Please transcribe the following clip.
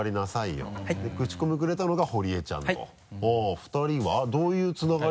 ２人はどういうつながり？